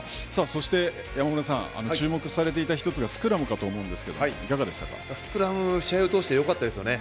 そして山村さん、注目されていた１つがスクラムかと思うんですけど、いスクラム、試合を通してよかったですね。